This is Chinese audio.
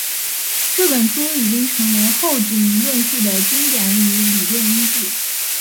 这本书已经成为后殖民论述的经典与理论依据。